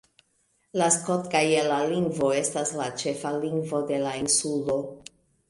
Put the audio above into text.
La skotgaela lingvo estas la ĉefa lingvo de la insulo.